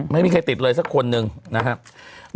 ไม่มีใครติดเลยสักคนหนึ่งนะครับ